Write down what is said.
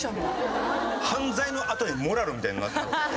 犯罪のあとにモラルみたいに。